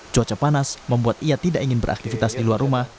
cuaca panas membuat ia tidak ingin beraktivitas di luar rumah